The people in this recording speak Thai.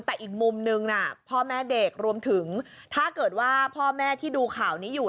แต่อีกมุมนึงพ่อแม่เด็กรวมถึงถ้าเกิดว่าพ่อแม่ที่ดูข่าวนี้อยู่